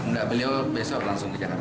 nggak beliau besok langsung ke jakarta